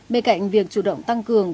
bên cạnh việc chủ động tăng cường